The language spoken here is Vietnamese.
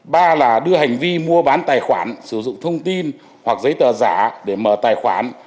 ba là đưa hành vi mua bán tài khoản sử dụng thông tin hoặc giấy tờ giả để mở tài khoản